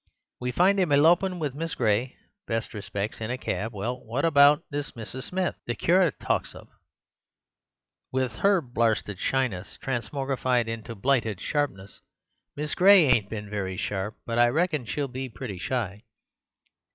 We find him elopin' with Miss Gray (best respects!) in a cab. Well, what abart this Mrs. Smith the curate talks of, with her blarsted shyness—transmigogrified into a blighted sharpness? Miss Gray ain't been very sharp, but I reckon she'll be pretty shy."